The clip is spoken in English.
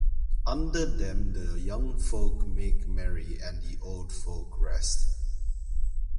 Under them the young folk make merry and the old folk rest.